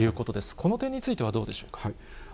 この点についてはどうでしょうか。